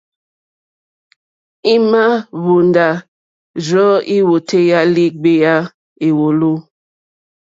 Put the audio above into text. Ima hvonda rzɔ̀ i wòtèyà li gbeya èwòlò.